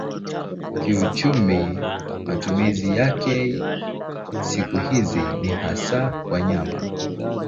Kiuchumi matumizi yake siku hizi ni hasa kwa nyama.